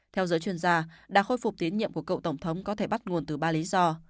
theo giới chuyên gia đã khôi phục tiến nhiệm của cựu tổng thống có thể bắt nguồn từ ba lý do